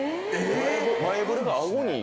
前触れが顎に。